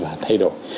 và thay đổi